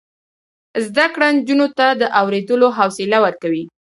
زده کړه نجونو ته د اوریدلو حوصله ورکوي.